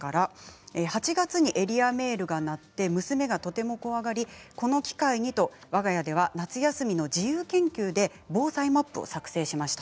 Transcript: ８月にエリアメールが鳴って娘がとても怖がり、この機会にとわが家では夏休みの自由研究で防災マップを作成しました。